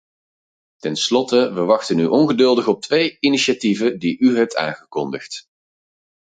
Ten slotte, we wachten nu ongeduldig op twee initiatieven die u hebt aangekondigd.